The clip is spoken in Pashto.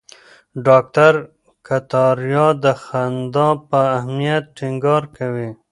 ډاکټر کتاریا د خندا په اهمیت ټینګار کوي.